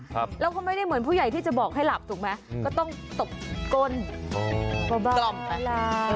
แล้วเขาไม่ได้เหมือนผู้ใหญ่ที่จะบอกให้หลับถูกมั้ยก็ต้องตบกล